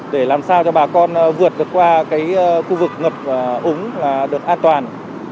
để làm sao cho bà con vượt được qua cái khu vực ngập úng được an toàn